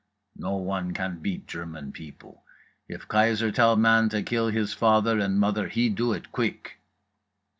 No one can beat German people; if Kaiser tell man to kill his father and mother he do it quick!"